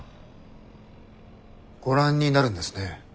ご覧になるんですね。